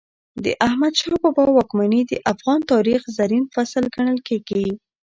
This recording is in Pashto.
د احمد شاه بابا واکمني د افغان تاریخ زرین فصل ګڼل کېږي.